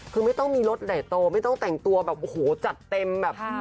คือไม่ต้องมีรถใหญ่โตไม่ต้องแต่งตัวแบบโอ้โหจัดเต็มแบบ